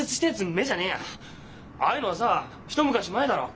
ああいうのはさ一昔前だろ？